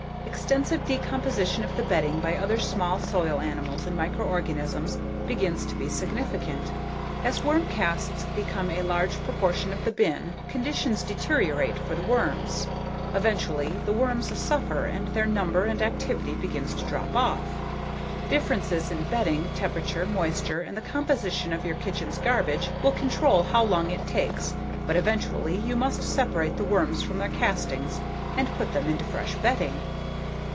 Extensive decomposition of the bedding by other small soil animals and microorganisms begins to be significant. As worm casts become a larger proportion of the bin, conditions deteriorate for the worms. Eventually the worms suffer and their number and activity begins to drop off. Differences in bedding, temperature, moisture, and the composition of your kitchen's garbage will control how long it takes but eventually you must separate the worms from their castings and put them into fresh bedding.